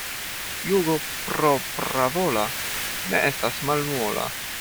Jugo propravola ne estas malmola.